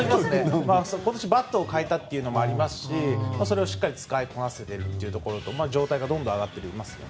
今年、バットを変えたのもありますしそれをしっかり使いこなしているのと状態がどんどん上がっていますね。